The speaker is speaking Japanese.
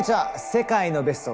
「世界のベスト！